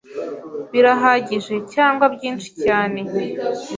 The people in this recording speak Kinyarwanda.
Birahagije cyangwa byinshi cyane